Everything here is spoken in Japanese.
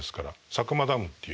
佐久間ダムっていう。